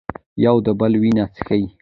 یو د بل وینې څښي.